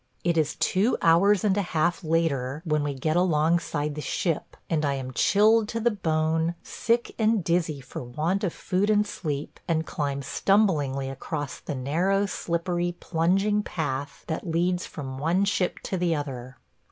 It is two hours and a half later when we get alongside the ship, and I am chilled to the bone, sick and dizzy for want of food and sleep, and climb stumblingly across the narrow, slippery, plunging path that leads from one ship to the other.